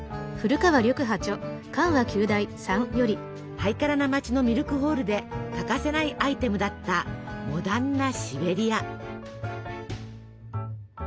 ハイカラな街のミルクホールで欠かせないアイテムだったモダンなシベリア。